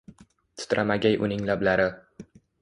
Titramagay uning lablari.